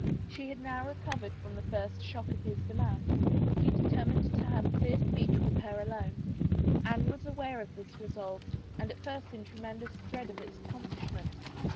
She had now recovered from the first shock of his demands. He determined to have clear speech with her alone. Anne was aware of this resolve and at first in tremen dous dread of its accomplishment.